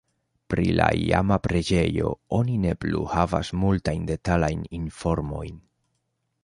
Pri la iama preĝejo oni ne plu havas multajn detalajn informojn.